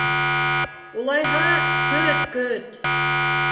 Улайһа, көт, көт.